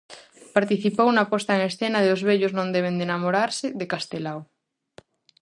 Participou na posta en escena de Os vellos non deben de namorarse, de Castelao.